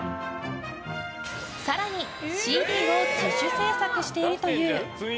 更に、ＣＤを自主制作しているという。